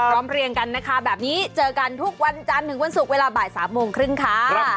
เรียงกันนะคะแบบนี้เจอกันทุกวันจันทร์ถึงวันศุกร์เวลาบ่าย๓โมงครึ่งค่ะ